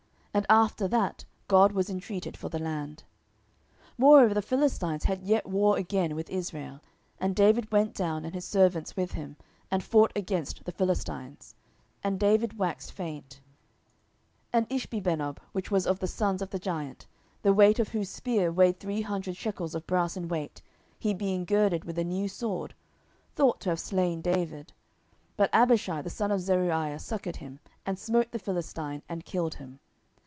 And after that God was intreated for the land. 10:021:015 Moreover the Philistines had yet war again with Israel; and David went down, and his servants with him, and fought against the Philistines: and David waxed faint. 10:021:016 And Ishbibenob, which was of the sons of the giant, the weight of whose spear weighed three hundred shekels of brass in weight, he being girded with a new sword, thought to have slain David. 10:021:017 But Abishai the son of Zeruiah succoured him, and smote the Philistine, and killed him.